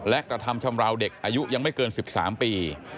และกระทำชำราวเด็กอายุยังไม่เกิน๑๓ปี